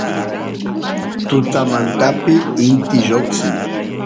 tutamantapi inti lloqsin